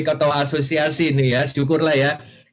ketua asosiasi ini ya syukurlah ya